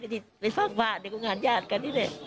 ไปฟังฟาดก็งานญาติกันที่นี่